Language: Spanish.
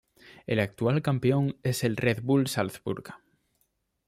El actual campeón es el Red Bull Salzburg.